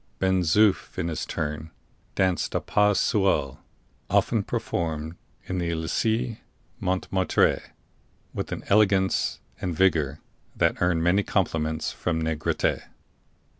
Ben Zoof, in his turn, danced a pas seul (often performed in the Elysee Montmartre) with an elegance and vigor that earned many compliments from Negrete.